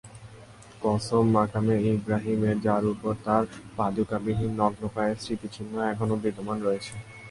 কসম মাকামে ইবরাহীমের, যার উপর তার পাদুকাবিহীন নগ্ন পায়ের স্মৃতিচিহ্ন এখনও বিদ্যমান রয়েছে।